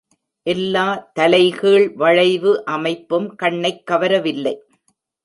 எல்லா தலைகீழ் வளைவு அமைப்பும் கண்ணைக் கவரவில்லை.